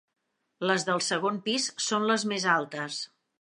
Les del segon pis són les més altes.